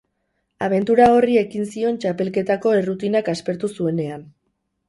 Abentura horri ekin zion txapelketetako errutinak aspertu zuenean.